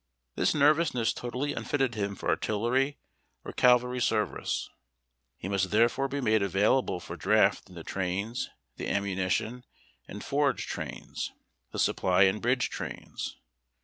This nervousness totally unfitted him for artillery or cavalry service ; he must therefore be made available for draft in the trains, the ammunition and forage trains, the supply and bridge trains.